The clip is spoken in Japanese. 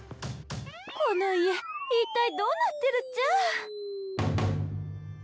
この家いったいどうなってるっちゃ？